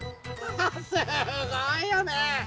すごいよね！